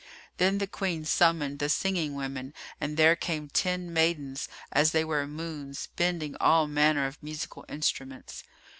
Then the Queen summoned the singing women and there came ten maidens, as they were moons, hending all manner of musical instruments.